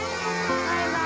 バイバイ。